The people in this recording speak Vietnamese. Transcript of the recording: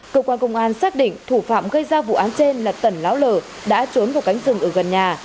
cơ quan công an xác định thủ phạm gây ra vụ án trên là tần láo lở đã trốn vào cánh rừng ở gần nhà